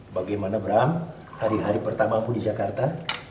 bagaimana bram hari hari pertamaku di jakarta